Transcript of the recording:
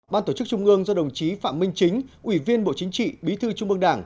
ban tổ chức trung ương do đồng chí phạm minh chính ủy viên bộ chính trị bí thư trung mương đảng